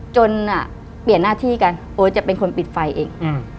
จนเปลี่ยนหน้าที่กันโอ๊ตจะเป็นคนปิดไฟเอง